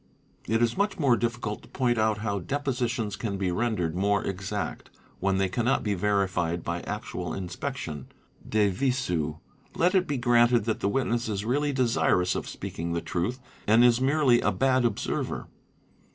It is much more difficult to point out how depositions can be rendered more exact, when they cannot be verified by actual inspection, de visu. Let it be granted that the witness is really desirous of speaking the truth and is merely a bad observer.